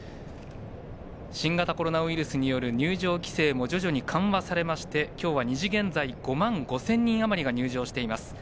新型コロナウイルスによる入場規制も徐々に緩和されまして今日は２時現在５万５０００人あまりが入場しています。